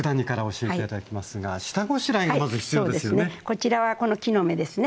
こちらはこの木の芽ですね。